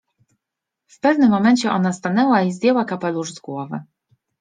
W pewnym momencie ona stanęła i zdjęła kapelusz z głowy.